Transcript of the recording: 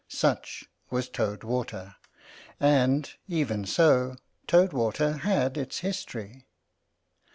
Such was Toad Water; and, even so, Toad Water had its history.